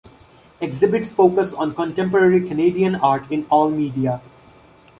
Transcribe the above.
Exhibits focus on contemporary Canadian art in all media.